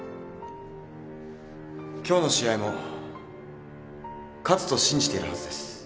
今日の試合も勝つと信じているはずです。